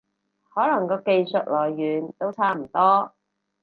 可能個技術來源都差唔多